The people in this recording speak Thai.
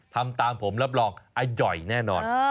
ทำตามผมรับรองอาจทำให้ดีแน่นอน